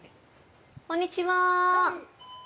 こんにちは。